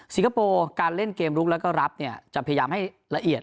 คโปร์การเล่นเกมลุกแล้วก็รับเนี่ยจะพยายามให้ละเอียด